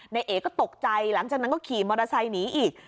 เอ๋ก็ตกใจหลังจากนั้นก็ขี่มอเตอร์ไซค์หนีอีก